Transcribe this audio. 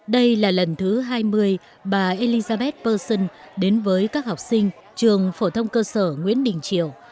đây là lần thứ hai mươi bà elizabeth persson đến với các học sinh trường phổ thông cơ sở nguyễn đình triều